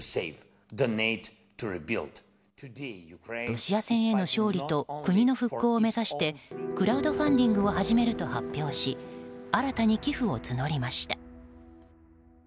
ロシア戦への勝利と国の復興を目指してクラウドファンディングを始めると発表し新たに寄付を募りました。